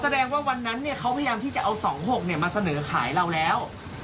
อ๋อแสดงว่าวันนั้นเนี้ยเขาพยายามที่จะเอาสองหกเนี้ยมาเสนอขายเราแล้ว